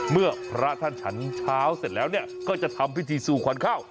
เมื่อพระท่านฉันเช้าเสร็จแล้วเนี่ยก็จะทำพิธีสู่ขวัญข้าว